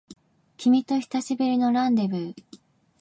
君と久しぶりのランデブー